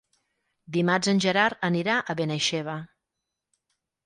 Dimarts en Gerard anirà a Benaixeve.